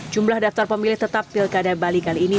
jumlah daftar pemilihan kepala daerah serentak di kota denpasar ini